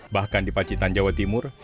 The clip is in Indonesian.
bahkan di pacitan jawa timur